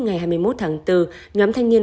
ngày hai mươi một tháng bốn nhóm thanh niên